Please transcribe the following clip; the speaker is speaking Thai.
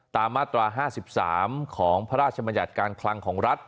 ตามมาตรา๕๓ของพระราชบัญญัติการคลังของรัฐ